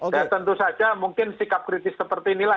dan tentu saja mungkin sikap kritis seperti inilah